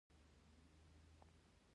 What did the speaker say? د نجونو تعلیم د بې کارۍ کچه کموي.